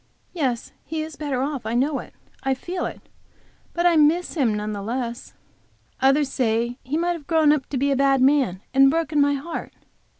Yes, he is better off; I know it, I feel it; but I miss him none the less. Others say he might have grown up to be a bad man and broken my heart.